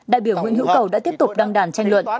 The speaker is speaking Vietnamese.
đại biểu nguyễn hữu cầu đã tiếp tục đăng đàn tranh luận